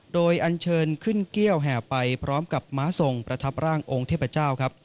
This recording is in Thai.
โดยอันเชิญขึ้นเกี้ยวแห่ไปพร้อมกับม้าทรงประทับร่างองค์เทพเจ้าครับ